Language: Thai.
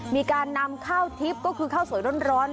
มีการนำข้าวทิพย์ก็คือข้าวสวยร้อน